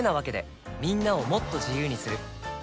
みんなをもっと自由にする「三菱冷蔵庫」